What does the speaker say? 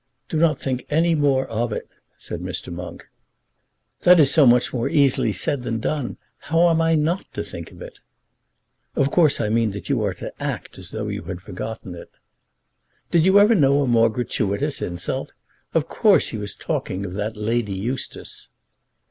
"Do not think any more of it," said Mr. Monk. "That is so much more easily said than done. How am I not to think of it?" "Of course I mean that you are to act as though you had forgotten it." "Did you ever know a more gratuitous insult? Of course he was talking of that Lady Eustace."